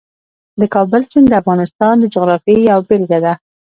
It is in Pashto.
د کابل سیند د افغانستان د جغرافیې یوه بېلګه ده.